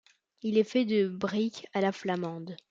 Il est fait de briques à la flamande.